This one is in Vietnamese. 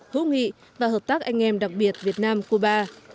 hữu nghị và hợp tác anh em đặc biệt việt nam cuba